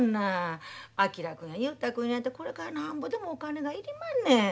昭君や雄太君やてこれからなんぼでもお金がいりまんねん。